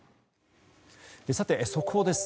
速報です。